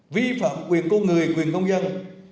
vi phạm quyền công người quyền công dân